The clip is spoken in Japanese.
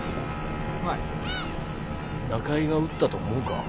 はい中井が撃ったと思うか？